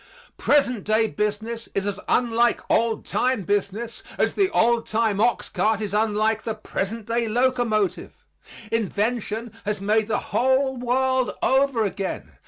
Present day business is as unlike old time business as the old time ox cart is unlike the present day locomotive. Invention has made the whole world over again.